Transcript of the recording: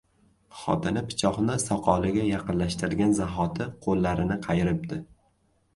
xotini pichoqni soqoliga yaqinlashtirgan zahoti qoʻllarini qayiribdi.